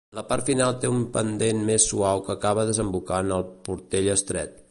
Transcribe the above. La part final té un pendent més suau que acaba desembocant al Portell Estret.